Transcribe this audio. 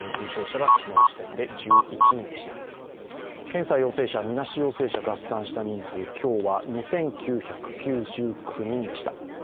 検査陽性者、みなし陽性者合算した人数、今日は２９９９人でした。